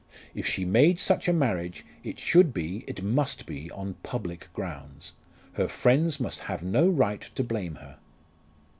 If she made such a marriage, it should be, it must be, on public grounds. Her friends must have no right to blame her.